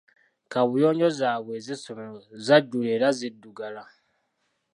Kaabuyonjo zaabwe ez'essomero zajjula era ziddugala.